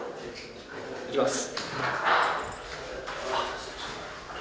行きます。